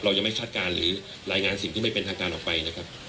ยังไม่คาดการณ์หรือรายงานสิ่งที่ไม่เป็นทางการออกไปนะครับ